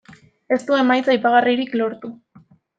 Ez du emaitza aipagarririk lortu.